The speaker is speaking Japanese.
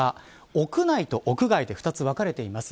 屋外と屋内で分かれています。